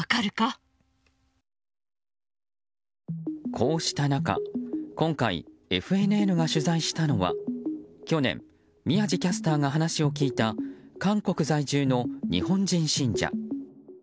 こうした中、今回ＦＮＮが取材したのは去年、宮司キャスターが話を聞いた韓国在住の日本人信者。